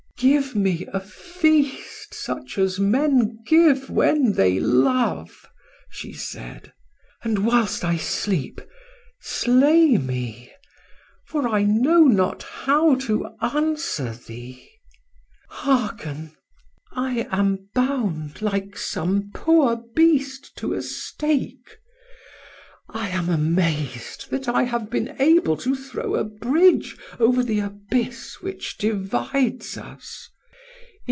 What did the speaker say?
"Give me a feast such as men give when they love," she said, "and whilst I sleep, slay me, for I know not how to answer thee. Hearken! I am bound like some poor beast to a stake; I am amazed that I have been able to throw a bridge over the abyss which divides us.